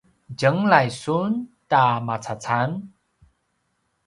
tjenglai sun ta macacam?